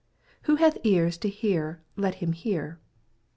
9 \Vho hath ears to hear let him hear.